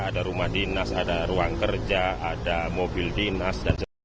ada rumah dinas ada ruang kerja ada mobil dinas